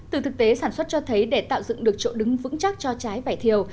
từ thực tế sản xuất cho thấy để tạo dựng được chỗ đứng vững chắc cho trái vải thiều